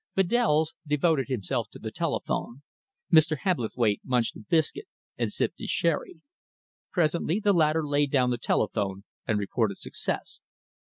Bedells devoted himself to the telephone. Mr. Hebblethwaite munched a biscuit and sipped his sherry. Presently the latter laid down the telephone and reported success.